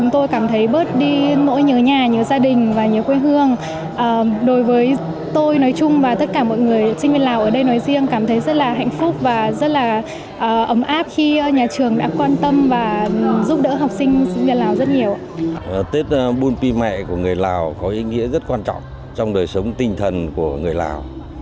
tết bung pim may của người lào có ý nghĩa rất quan trọng trong đời sống tinh thần của người lào